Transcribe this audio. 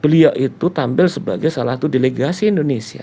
beliau itu tampil sebagai salah satu delegasi indonesia